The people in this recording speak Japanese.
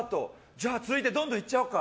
じゃあどんどんいっちゃおうか。